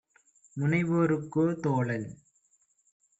முனைவோருக்கோ தோழன்!